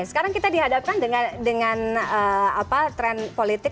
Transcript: sekarang kita dihadapkan dengan tren politik